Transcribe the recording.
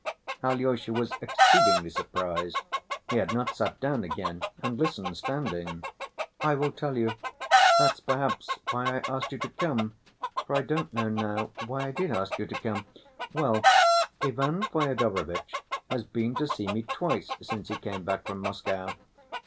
Alyosha was exceedingly surprised. He had not sat down again and listened standing. "I will tell you; that's perhaps why I asked you to come, for I don't know now why I did ask you to come. Well, Ivan Fyodorovitch has been to see me twice, since he came back from Moscow.